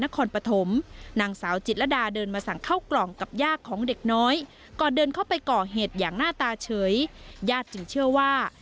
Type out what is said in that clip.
ก่อนเดินเข้าไปก่อเหตุอย่างหน้าตาเฉยญาติจึงเชื่อว่า